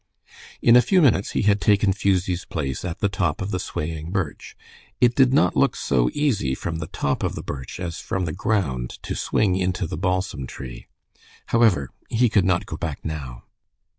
In a few minutes he had taken Fusie's place a the top of the swaying birch. It did not look so easy from the top of the birch as from the ground to swing into the balsam tree. However, he could not go back now.